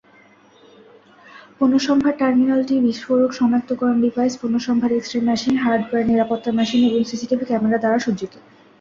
পণ্যসম্ভার টার্মিনালটি বিস্ফোরক সনাক্তকরণ ডিভাইস, পণ্যসম্ভার এক্স-রে মেশিন, হার্ডওয়্যার নিরাপত্তা মেশিন এবং সিসিটিভি ক্যামেরা দ্বারা সজ্জিত।